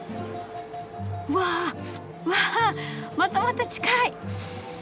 うわわまたまた近い！